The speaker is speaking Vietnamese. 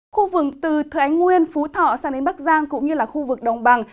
khu vực từ thời ánh nguyên phú thọ sang đến bắc giang cũng như là khu vực đồng bằng